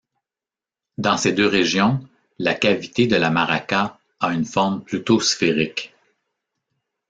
Dans ces deux régions, la cavité de la maraca a une forme plutôt sphérique.